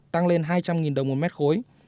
tăng lên hai trăm linh đồng một mét khối